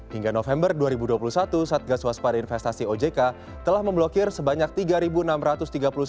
hingga november dua ribu dua puluh satu satgas waspada investasi ojk telah memblokir sebanyaknya